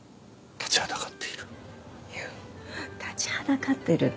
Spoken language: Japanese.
「立ちはだかっている」って。